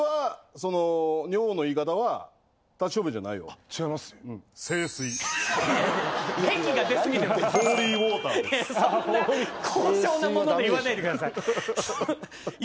そんな高尚なもので言わないでください。